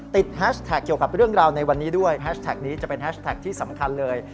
แฮชแท็กเกี่ยวกับเรื่องราวในวันนี้ด้วยแฮชแท็กนี้จะเป็นแฮชแท็กที่สำคัญเลย